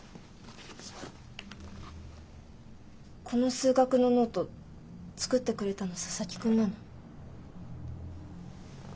この数学のノート作ってくれたの佐々木くんなの？